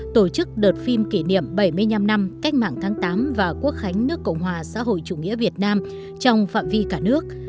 tổ chức đợt phim kỷ niệm bảy mươi năm năm cách mạng tháng tám và quốc khánh nước cộng hòa xã hội chủ nghĩa việt nam trong phạm vi cả nước